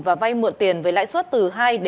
và vay mượn tiền với lãi suất từ hai sáu